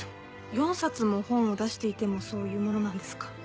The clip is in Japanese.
４冊も本を出していてもそういうものなんですか？